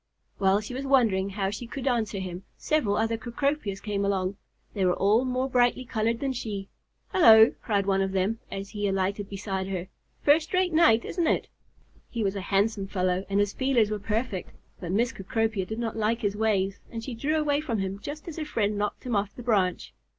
While she was wondering how she could answer him, several other Cecropias came along. They were all more brightly colered than she. "Hullo!" cried one of them, as he alighted beside her. "First rate night, isn't it?" He was a handsome fellow, and his feelers were perfect; but Miss Cecropia did not like his ways, and she drew away from him just as her friend knocked him off the branch.